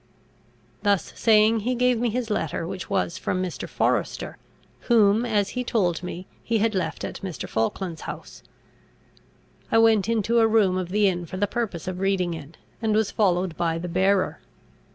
Thus saying, he gave me his letter, which was from Mr. Forester, whom, as he told me, he had left at Mr. Falkland's house. I went into a room of the inn for the purpose of reading it, and was followed by the bearer.